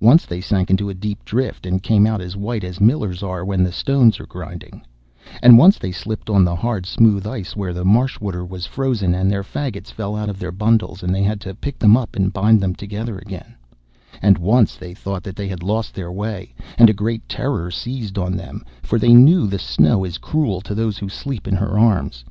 Once they sank into a deep drift, and came out as white as millers are, when the stones are grinding; and once they slipped on the hard smooth ice where the marsh water was frozen, and their faggots fell out of their bundles, and they had to pick them up and bind them together again; and once they thought that they had lost their way, and a great terror seized on them, for they knew that the Snow is cruel to those who sleep in her arms.